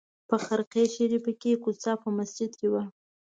په خرقې شریفې کوڅې په مسجد کې وه.